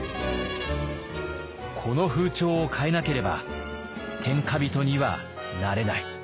この風潮を変えなければ天下人にはなれない。